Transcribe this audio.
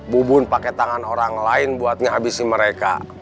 bubun pakai tangan orang lain buat ngabisi mereka